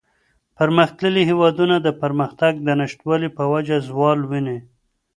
پرمختللي هېوادونه د پرمختگ د نشتوالي په وجه زوال ویني.